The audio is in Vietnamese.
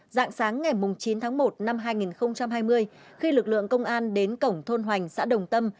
dạng sáng ngày chín tháng một năm hai nghìn hai mươi khi lực lượng công an đến cổng thôn hoành xã đồng tâm